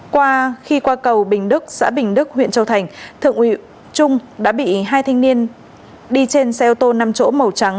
khi qua cầu bình đức xã bình đức huyện châu thành thượng úy trung đã bị hai thanh niên đi trên xe ô tô nằm chỗ màu trắng